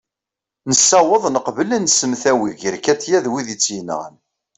nessaweḍ neqbel ad nsemtawi gar katia d wid i tt-yenɣan